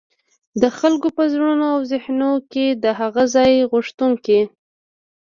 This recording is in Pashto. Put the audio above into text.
د خلګو په زړونو او ذهنونو کي د هغه ځان غوښتونکي